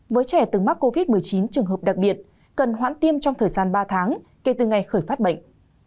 với trẻ từng mắc covid một mươi chín trường hợp đặc biệt cần hoãn tiêm trong thời gian ba tháng kể từ ngày khởi phát bệnh